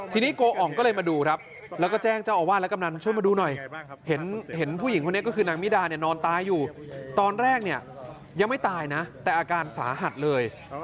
ทีนี้โกอ่องก็เลยมาดูครับแล้วก็แจ้งเจ้าอาวาสและกำนันมาช่วยมาดูหน่อยเห็นผู้หญิงคนนี้ก็คือนางมิดาเนี่ยนอนตายอยู่ตอนแรกเนี่ยยังไม่ตายนะแต่อาการสาหัสเลย